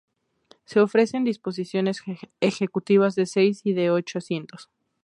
Se ofrecen disposiciones ejecutivas de seis y de ocho asientos.